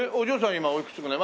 今おいくつぐらい？